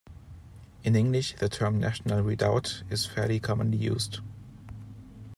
In English the term National Redoubt is fairly commonly used.